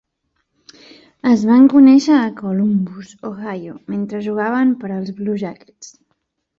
Es van conèixer a Columbus, Ohio mentre jugava per als Blue Jackets.